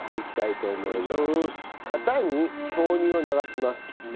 型に豆乳を流します。